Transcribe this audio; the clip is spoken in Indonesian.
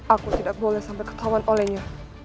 aku tidak boleh sampai kekawan olehnya